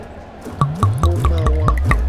Xoma wa.